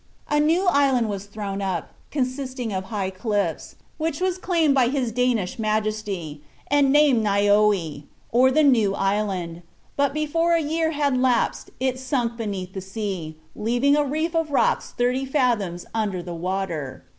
A new island was thrown up, consisting of high cliffs, which was claimed by his Danish Majesty, and named "Nyöe," or the New Island; but before a year had elapsed it sunk beneath the sea, leaving a reef of rocks thirty fathoms under water.